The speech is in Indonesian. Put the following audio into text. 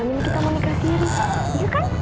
alamin kita mau ke hasil iya kan